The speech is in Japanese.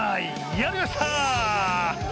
やりました！